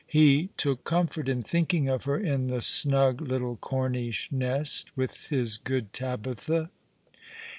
He took comfort in thinking of her in the snug little Cornish nest, with his good Tabitha.